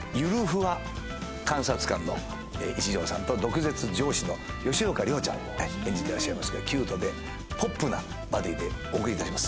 ふわ監察官の一条さんと毒舌上司の吉岡里帆ちゃんが演じてらっしゃいますけどキュートでポップなバディでお送り致します